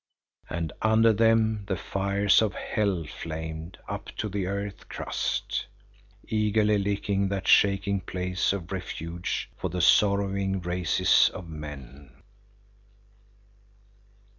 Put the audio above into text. And under them the fires of Hell flamed up to the earth's crust, eagerly licking that shaking place of refuge for the sorrowing races of men.